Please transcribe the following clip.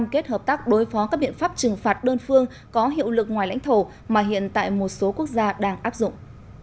kết hợp tác đối phó các biện pháp trừng phạt đơn phương có hiệu lực ngoài lãnh thổ mà hiện tại một số quốc gia đang áp dụng